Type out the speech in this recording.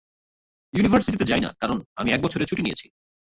ইউনিভার্সিটিতে যাই না, কারণ আমি এক বছরের ছুটি নিয়েছি।